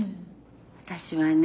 私はね